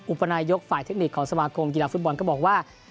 อุปนายกฝ่ายเทคนิคของสมาคมกีฬาฟุตบอลก็บอกว่า